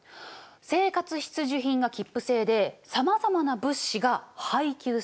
生活必需品が切符制でさまざまな物資が配給制だった。